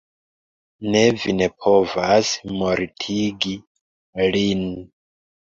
Ne, vi ne povas mortigi lin.